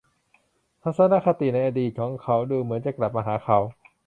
ทัศนคติในอดีตของเขาดูเหมือนจะกลับมาหาเขา